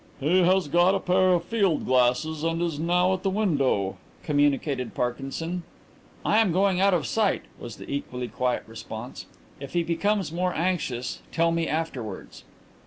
"He has got a pair of field glasses and is now at the window," communicated Parkinson. "I am going out of sight," was the equally quiet response. "If he becomes more anxious tell me afterwards."